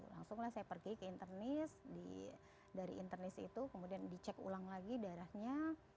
langsunglah saya pergi ke internis dari internis itu kemudian dicek ulang lagi darahnya